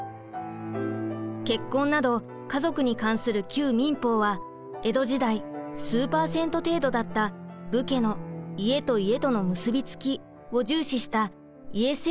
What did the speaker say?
結婚など家族に関する旧民法は江戸時代数パーセント程度だった武家の家と家との結びつきを重視した家制度を確立させるものでした。